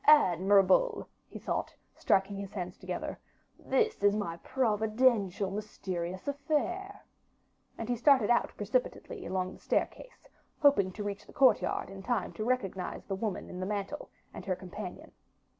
"Admirable!" he thought, striking his hands together, "this is my providential mysterious affair." And he started out precipitately, along the staircase, hoping to reach the courtyard in time to recognize the woman in the mantle, and her companion.